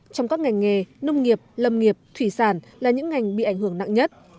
trong các ngành nghề nông nghiệp lâm nghiệp thủy sản là những ngành bị ảnh hưởng nặng nhất